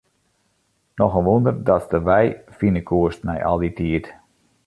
Noch in wûnder datst de wei fine koest nei al dy tiid.